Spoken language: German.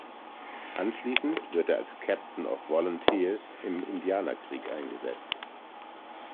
Anschließend wird er als „Captain of Volunteers“ im Indianerkrieg eingesetzt.